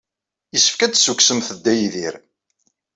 Yessefk ad d-tessukksemt Dda Yidir.